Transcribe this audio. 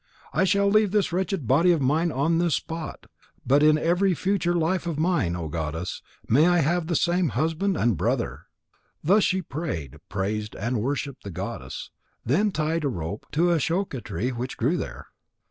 I shall leave this wretched body of mine on this spot, but in every future life of mine, O Goddess, may I have the same husband and brother." Thus she prayed, praised, and worshipped the goddess, then tied a rope to an ashoka tree which grew there.